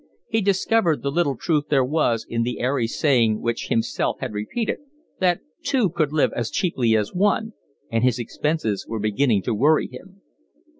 He discovered the little truth there was in the airy saying which himself had repeated, that two could live as cheaply as one, and his expenses were beginning to worry him.